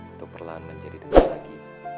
untuk perlahan menjadi denda lagi